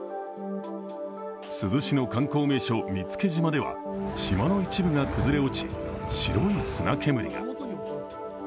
珠洲市の観光名所・見附島では島の一部が崩れ落ち、白い砂煙が。